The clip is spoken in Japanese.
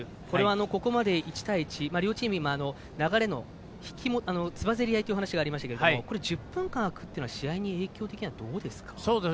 ここまで１対１、両チーム流れのつばぜり合いというお話がありましたけれども１０分間あくというのは試合としてはどうですか？